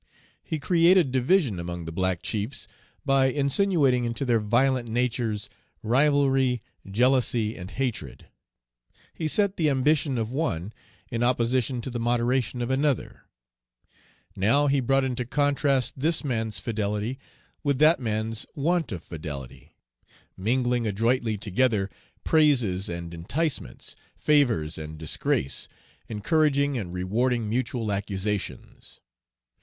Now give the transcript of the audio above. He created division among the black chiefs by insinuating into their violent natures rivalry, jealousy, and hatred; he set the ambition of one in opposition to the moderation of another; now he brought into contrast this man's fidelity with that man's want of fidelity; mingling adroitly together praises and enticements, favors and disgrace, encouraging and rewarding mutual accusations.